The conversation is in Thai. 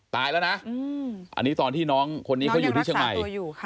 ตายแล้วนะอันนี้ตอนที่น้องคนนี้เขาอยู่ที่เชียงใหม่